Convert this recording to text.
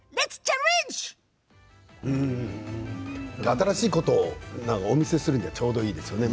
新しいことをお見せするにはちょうどいいですね。